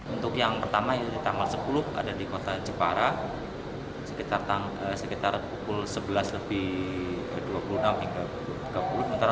untuk yang pertama yaitu tanggal sepuluh ada di kota jepara sekitar pukul sebelas lebih dua puluh enam hingga tiga puluh